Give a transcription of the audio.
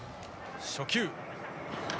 初球。